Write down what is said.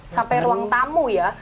sampai ruang tamu ya